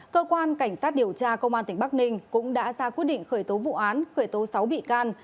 cơ quan cảnh sát điều tra công an tỉnh bắc ninh cũng đã ra quyết định khởi tố vụ án khởi tố sáu bị can